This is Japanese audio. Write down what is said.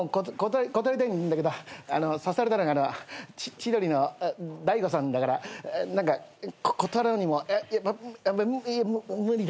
断りたいんだけど誘われたのが千鳥の大悟さんだから何か断ろうにも無理だな。